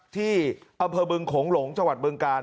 ที่อเภอบึงของหลงจบึงการ